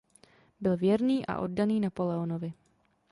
Byl věrný a oddaný Napoleonovi.